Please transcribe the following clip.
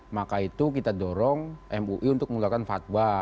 maka itu kita dorong mui untuk mengeluarkan fatwa